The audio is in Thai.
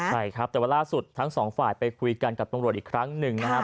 ใช่ครับแต่ว่าล่าสุดทั้งสองฝ่ายไปคุยกันกับตำรวจอีกครั้งหนึ่งนะครับ